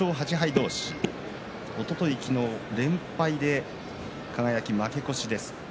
同士、おととい昨日連敗で輝、負け越しです。